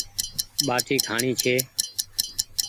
ٻآٽي کآڻي ڇي